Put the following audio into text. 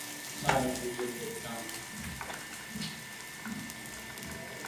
His lyrics are clever and witty, painting vivid pictures with his words.